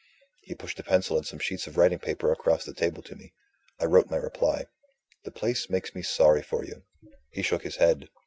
He pushed a pencil and some sheets of writing paper across the table to me. I wrote my reply: "The place makes me sorry for you." He shook his head.